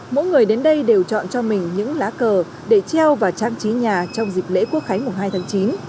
mỗi người đến đây đều chọn cho mình những lá cờ để treo và trang trí nhà trong dịp lễ quốc khánh mùng hai tháng chín